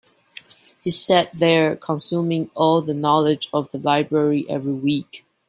He sat there consuming all the knowledge of the library every week.